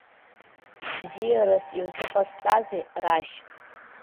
Бзиарас иузыҟасҵазеи, Рашь?